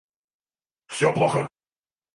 Всё плохо